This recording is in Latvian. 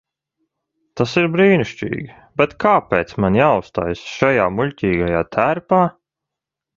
Tas ir brīnišķīgi, bet kāpēc man jāuzstājas šajā muļķīgajā tērpā?